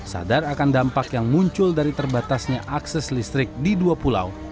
sadar akan dampak yang muncul dari terbatasnya akses listrik di dua pulau